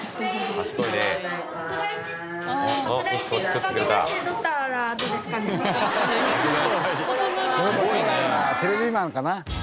将来はテレビマンかな。